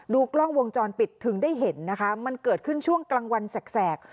กล้องวงจรปิดถึงได้เห็นนะคะมันเกิดขึ้นช่วงกลางวันแสก